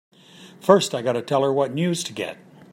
First I gotta tell her what news to get!